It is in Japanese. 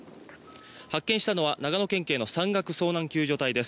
発見したのは長野県警の山岳遭難救助隊です。